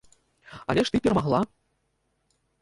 Але ж ты перамагла.